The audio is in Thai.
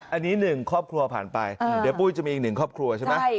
อันนี้๑ครอบครัวผ่านไปเดี๋ยวปุ๊ยจะมีอีก๑ครอบครัวใช่ไหม